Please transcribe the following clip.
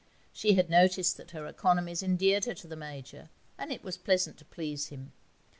She had noticed that her economies endeared her to the Major, and it was pleasant to please him.